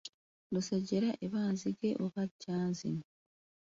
Lusejjera eba Nzige oba Jjanzi?